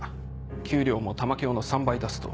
給料も玉響の３倍出すと。